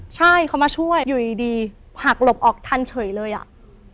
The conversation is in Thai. ใช่เขามาช่วยอยู่ดีหักหลบออกทันเฉยเลยอ่ะ